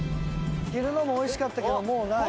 昼のも美味しかったけどもうない。